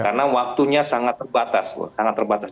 karena waktunya sangat terbatas